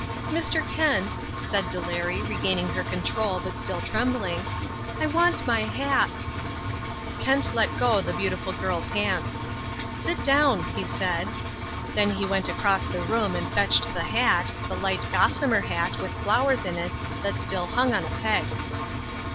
"Mr. Kent," said Delary, regaining her control, but still trembling, "I want my hat." Kent let go the beautiful girl's hands. "Sit down," he said. Then he went across the room and fetched the hat, the light gossamer hat, with flowers in it, that still hung on a peg.